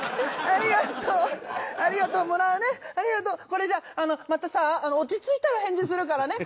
これじゃああのまたさ落ち着いたら返事するからね。